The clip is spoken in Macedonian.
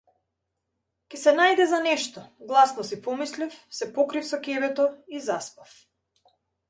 Ќе се најде за нешто, гласно си помислив, се покрив со ќебето и заспав.